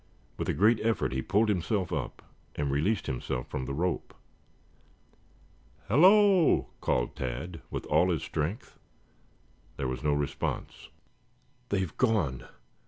With a great effort he pulled himself up and released himself from the rope. "Hello!" called Tad with all his strength. There was no response. "They've gone!